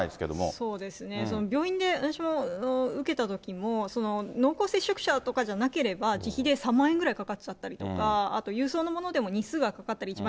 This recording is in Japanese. そうですね、病院で私も受けたときも、濃厚接触者とかじゃなければ自費で３万円ぐらいかかっちゃったりだとか、あと郵送のものでも日数がかかったり１万